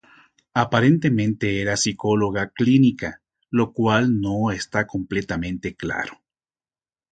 Aparentemente era psicóloga clínica, lo cual no está completamente claro.